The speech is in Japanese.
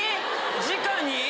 じかに？